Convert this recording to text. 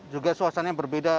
juga suasana yang berbeda